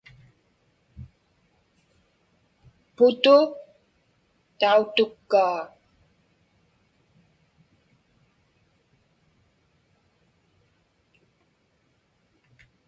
Putu tautukkaa.